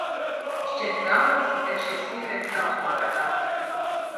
Šķiet grāmatas ir šīs sievietes galvenā bagātība.